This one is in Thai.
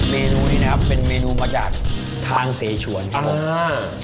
เมนูนี้นะครับเป็นเมนูมาจากทางเสฉวนครับผมเออ